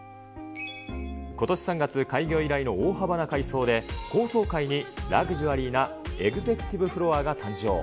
ことし３月、開業以来の大幅な改装で、高層階にラグジュアリーなエグゼクティブフロアが誕生。